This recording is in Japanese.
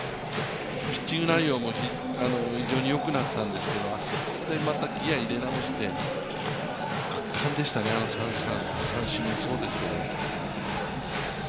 ピッチング内容も非常によくなったんですけどあそこでまたギヤ入れ直して、圧巻でしたね、あの三振もそうですけど。